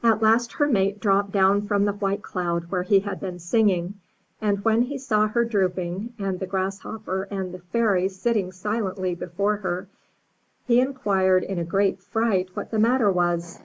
At last her mate dropped down from the white cloud where he had been singing, and when he saw her drooping, and the Grasshopper and the Fairy sitting silently before her, he inquired in a great fright v/hat the matter was.